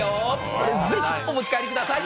これぜひお持ち帰りください。